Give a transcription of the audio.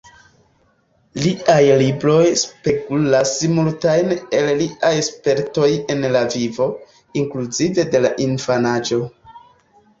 Liaj libroj spegulas multajn el liaj spertoj en la vivo, inkluzive de la infanaĝo.